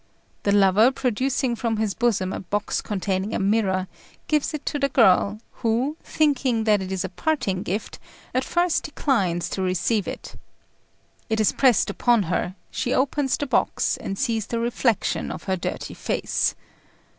The lover, producing from his bosom a box containing a mirror, gives it to the girl, who, thinking that it is a parting gift, at first declines to receive it. It is pressed upon her; she opens the box and sees the reflection of her dirty face.